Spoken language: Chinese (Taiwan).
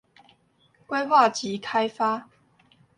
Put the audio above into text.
規劃及開發